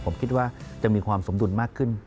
ผมคิดว่าจะมีความสมดุลมากขึ้น